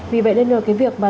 vì vậy nên là cái việc mà